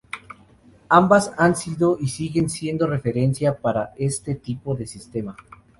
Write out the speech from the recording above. Ambas han sido y siguen siendo referencia para este tipo de sistema.